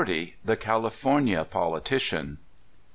THE CALIFORNIA POLITICIAN.